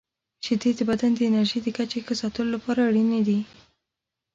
• شیدې د بدن د انرژۍ د کچې ښه ساتلو لپاره اړینې دي.